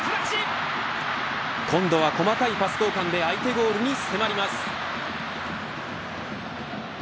今度は細かいパス交換で相手ゴールに迫ります。